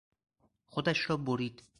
خودش را برید.